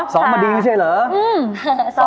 ซ้อมมาดีใช่เหรอ